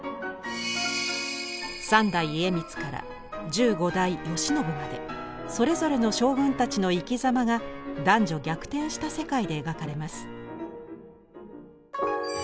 三代家光から十五代慶喜までそれぞれの将軍たちの生きざまが男女逆転した世界で描かれます。